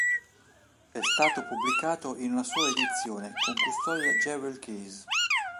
È stato pubblicato in una sola edizione con custodia jewel case.